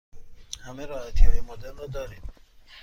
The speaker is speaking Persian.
همه راحتی های مدرن را دارید؟